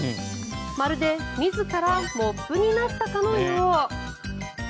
まるで自らモップになったかのよう。